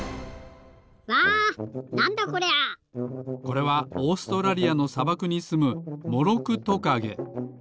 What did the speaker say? これはオーストラリアのさばくにすむモロクトカゲ。